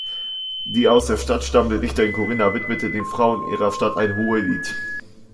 Die aus der Stadt stammende Dichterin Korinna widmete den Frauen ihrer Stadt ein Hohelied.